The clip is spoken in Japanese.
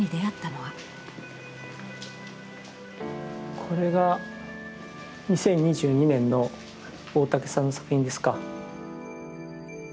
これが２０２２年の大竹さんの作品ですか。